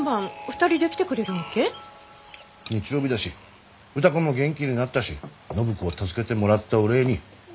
日曜日だし歌子も元気になったし暢子を助けてもらったお礼に。